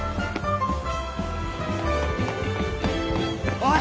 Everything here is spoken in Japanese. おい！